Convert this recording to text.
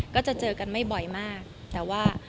ก็จะเจอกันไม่บ่อยมากแต่ว่า